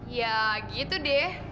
ya gitu deh